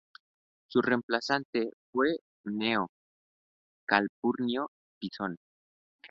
Su reemplazante fue Cneo Calpurnio Pisón.